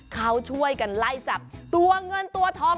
เขาช่วยกันไล่จับตัวเงินตัวทอง